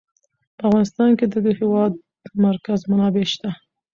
په افغانستان کې د د هېواد مرکز منابع شته.